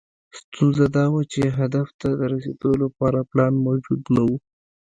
ستونزه دا وه چې هدف ته د رسېدو لپاره پلان موجود نه و.